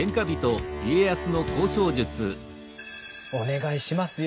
お願いしますよ。